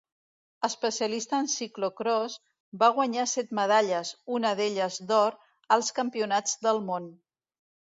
Especialista en ciclocròs, va guanyar set medalles, una d'elles d'or, als Campionats del món.